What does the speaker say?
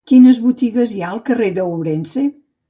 Quines botigues hi ha al carrer d'Ourense?